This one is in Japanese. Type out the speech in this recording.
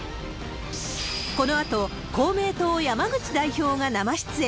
このあと、公明党、山口代表が生出演。